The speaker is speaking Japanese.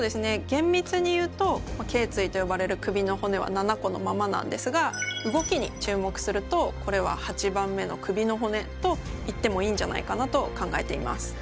げんみつに言うと頸椎と呼ばれる首の骨は７個のままなんですが動きに注目するとこれは８番目の首の骨と言ってもいいんじゃないかなと考えています。